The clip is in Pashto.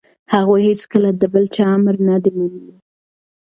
هغوی هیڅکله د بل چا امر نه دی منلی.